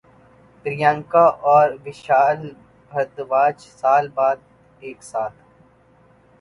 پریانکا اور وشال بھردواج سال بعد ایک ساتھ